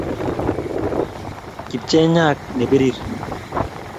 Kipchenyak ne birir